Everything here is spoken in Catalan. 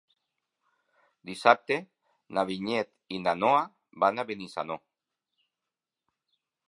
Dissabte na Vinyet i na Noa van a Benissanó.